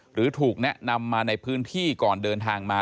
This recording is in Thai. หรือถูกแนะนำมาในพื้นที่ก่อนเดินทางมา